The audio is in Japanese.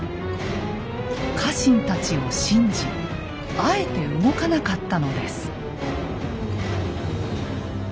家臣たちを信じあえて動かなかったのです。